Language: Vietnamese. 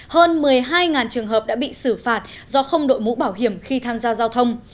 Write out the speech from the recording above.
hơn một mươi hai trường hợp đã bị xử phạt do không đội mũ bảo hiểm khi tham gia giao thông